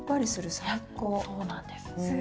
そうなんです。